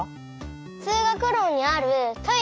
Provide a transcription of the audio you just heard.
つうがくろにあるトイレだよ。